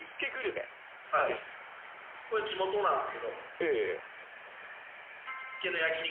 これ、地元なんですけど、焼き肉？